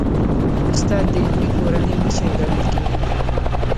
استاد د علمي کورنۍ مشر ګڼل کېږي.